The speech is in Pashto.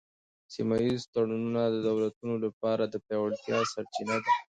سیمه ایز تړونونه د دولتونو لپاره د پیاوړتیا سرچینه ده